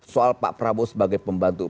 soal pak prabowo sebagai pembantu